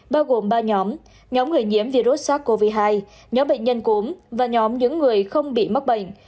bao gồm ba nhóm nhóm người nhiễm virus sars cov hai nhóm bệnh nhân cúm và nhóm những người không bị mắc bệnh